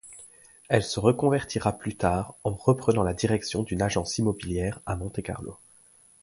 Elle se reconvertira plus tard en reprenant la direction d'une agence immobilière à Monte-Carlo.